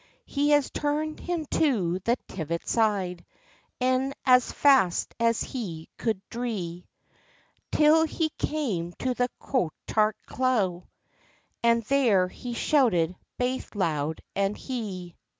He has turned him to the Tiviot side, E'en as fast as he could drie, Till he came to the Coultart Cleugh And there he shouted baith loud and hie.